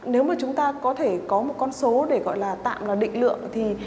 nếu mà chúng ta có thể có một con số để gọi là tạm định lượng thì